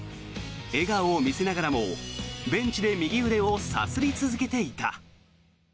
笑顔を見せながらもベンチで右腕をさすり続けていた。